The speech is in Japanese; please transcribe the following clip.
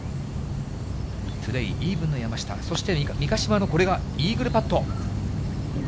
トゥデイイーブンの山下、そして三ヶ島のこれがイーグルパット。